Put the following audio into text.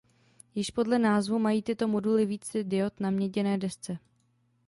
Již podle názvu mají tyto moduly více diod na měděné desce.